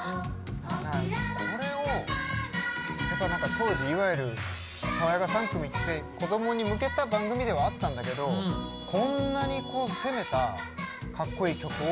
これを当時いわゆる「さわやか３組」って子どもに向けた番組ではあったんだけどこんなに攻めた格好いい曲を。